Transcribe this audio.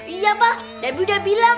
iya pa debbie udah bilang